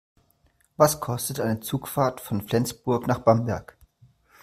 Was kostet eine Zugfahrt von Flensburg nach Bamberg?